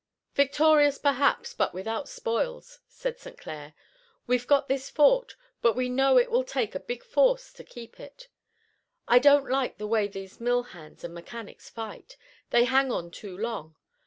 "Victorious, perhaps, but without spoils," said St. Clair. "We've got this fort, but we know it will take a big force to keep it. I don't like the way these mill hands and mechanics fight. They hang on too long.